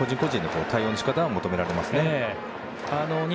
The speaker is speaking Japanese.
個人個人の対応の仕方が求められますね。